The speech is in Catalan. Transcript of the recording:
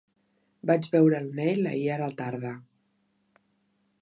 Vaig veure el Neil ahir a la tarda.